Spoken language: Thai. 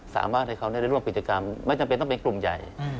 สามารถให้เขาได้ร่วมกิจกรรมไม่จำเป็นต้องเป็นกลุ่มใหญ่